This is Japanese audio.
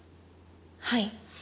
はい。